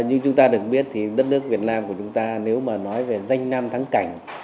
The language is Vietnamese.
như chúng ta được biết thì đất nước việt nam của chúng ta nếu mà nói về danh nam thắng cảnh